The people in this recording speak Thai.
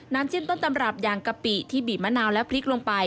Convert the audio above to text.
จิ้มต้นตำรับอย่างกะปิที่บีบมะนาวและพริกลงไป